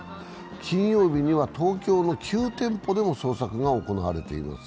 金曜日には東京の９店舗でも捜索が行われています。